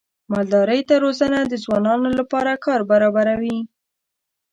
مالدارۍ ته روزنه د ځوانانو لپاره کار برابروي.